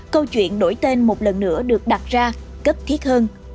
câu chuyện đổi tên một lần nữa được đặt ra cấp thiết hơn